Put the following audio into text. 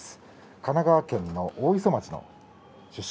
神奈川県の大磯町の出身。